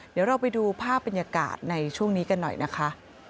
เดี๋ยวเราไปดูภาพบรรยากาศในช่วงนี้กันหน่อยนะคะ